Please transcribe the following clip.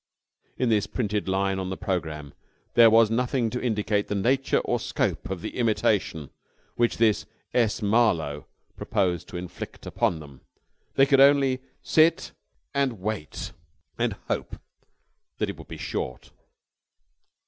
In this printed line on the programme there was nothing to indicate the nature or scope of the imitation which this S. Marlowe proposed to inflict upon them. They could only sit and wait and hope that it would be short.